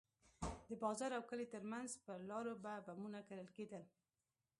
د بازار او کلي ترمنځ پر لارو به بمونه کرل کېدل.